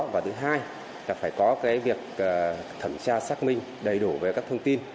việc thẩm tra xác minh đầy đủ về các thông tin